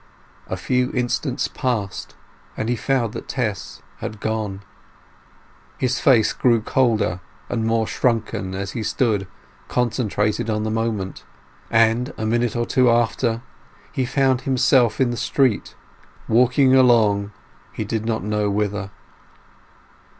A few instants passed, and he found that Tess was gone. His face grew colder and more shrunken as he stood concentrated on the moment, and a minute or two after, he found himself in the street, walking along he did not know whither.